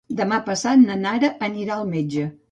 Demà passat na Nara anirà al metge.